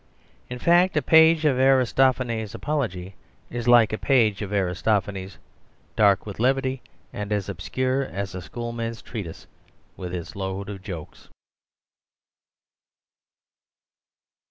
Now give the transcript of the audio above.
In fact, a page of Aristophanes' Apology is like a page of Aristophanes, dark with levity and as obscure as a schoolman's treatise, with its load of jokes.